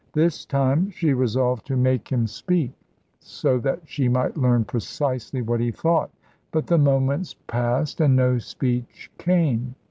This time she resolved to make him speak, so that she might learn precisely what he thought. But the moments passed and no speech came.